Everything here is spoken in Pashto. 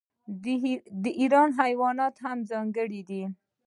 د ایران حیوانات هم ځانګړي دي.